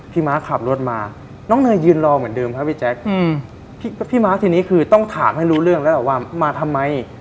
พี่มาร์คทีนี้คือต้องถามให้รู้เรื่องแล้วว่ามาทำไม